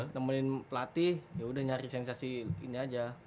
temenin latih yaudah nyari sensasi ini aja